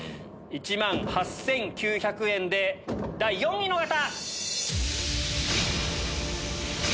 １万８９００円で第４位の方！